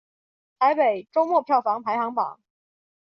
台北周末票房排行榜